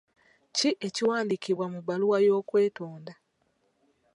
Ki ekiwandiikibwa mu bbaluwa y'okwetonda?